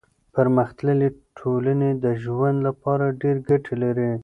پرمختللي ټولنې د ژوند لپاره ډېر ګټې لري.